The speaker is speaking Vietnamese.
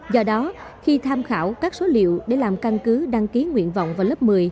do đó khi tham khảo các số liệu để làm căn cứ đăng ký nguyện vọng vào lớp một mươi